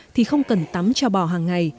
thì không cần tắm cho bò hàng ngày